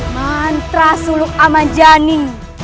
mantra suluk aman jani